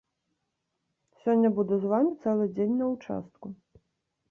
Сёння буду з вамі цэлы дзень на участку.